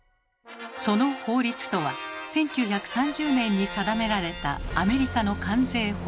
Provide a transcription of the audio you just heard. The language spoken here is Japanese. その法律とは１９３０年に定められたアメリカの関税法。